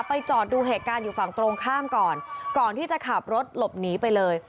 จอดดูเหตุการณ์อยู่ฝั่งตรงข้ามก่อนก่อนที่จะขับรถหลบหนีไปเลย